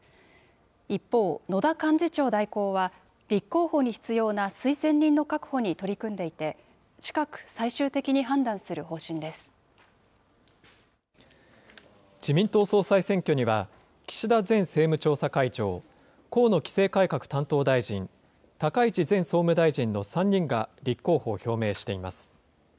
一方、野田幹事長代行は、立候補に必要な推薦人の確保に取り組んでいて、近く、最終的に判自民党総裁選挙には、岸田前政務調査会長、河野規制改革担当大臣、高市前総務大臣の３人が立候補を表明しています。